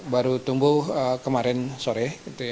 baru tumbuh kemarin sore